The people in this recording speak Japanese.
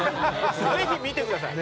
ぜひ見てください。